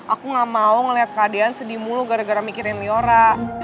aku gak mau ngeliat kak dean sedih mulu gara gara mikirin liora